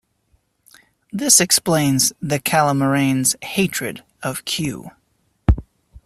This explains the Calamarain's hatred of Q.